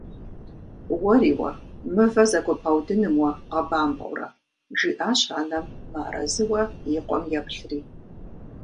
- Уэри уэ, мывэ зэгуэбгъэудыным уэ бгъэбампӏэурэ! – жиӏащ анэм мыарэзыуэ и къуэм еплъри.